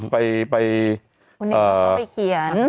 ไปบทเขียน